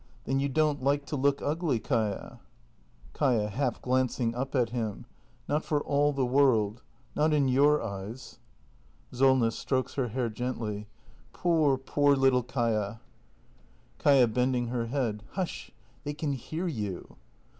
] Then you don't like to look ugly, Kaia? Kaia. [Half glancing up at him.] Not for all the world. Not in your eyes. Solness. [Strokes her hair gently.] Poor, poor little Kaia act i] THE MASTER BUILDER 249 Kaia. [Bending her head.] Hush — they can hear you